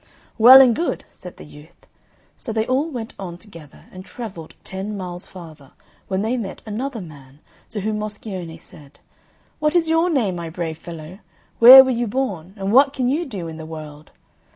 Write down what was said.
"Well and good!" said the youth. So they all went on together and travelled ten miles farther, when they met another man, to whom Moscione said, "What is your name, my brave fellow? Where were you born? And what can you do in the world?"